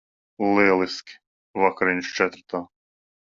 Lieliski. Vakariņas četratā.